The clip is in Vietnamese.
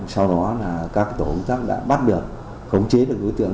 sau đó là các tổ công tác đã bắt được khống chế được đối tượng